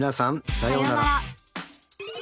さようなら。